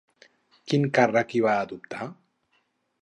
Quin càrrec hi va adoptar?